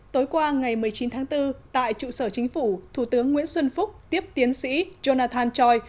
tối qua ngày một mươi chín tháng bốn tại trụ sở chính phủ thủ tướng nguyễn xuân phúc tiếp tiến sĩ jonathan choi